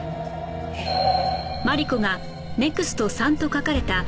えっ。